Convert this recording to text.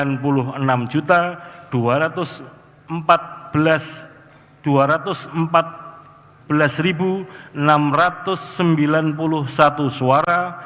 dengan prolean suara sebanyak sembilan puluh enam dua ratus empat belas enam ratus sembilan puluh satu suara